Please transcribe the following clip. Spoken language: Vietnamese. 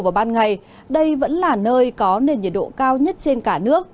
vào ban ngày đây vẫn là nơi có nền nhiệt độ cao nhất trên cả nước